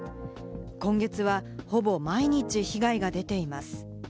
今月はほぼ毎日被害が出ています。